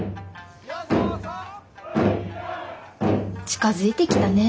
・近づいてきたね。